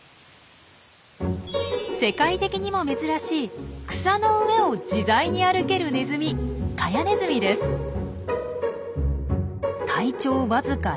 世界的にも珍しい草の上を自在に歩けるネズミ体長わずか６ｃｍ。